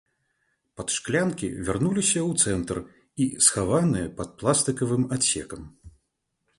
Падшклянкі вярнуліся ў цэнтр і схаваныя пад пластыкавым адсекам.